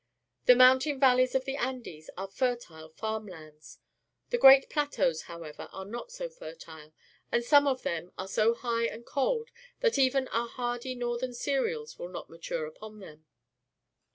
The mountain valleys of the Andes are fertile farm lands. The great plateaus, however, are not so fertile, and some of them are so high and cold that even our hardy northern cereals will not mature upon them.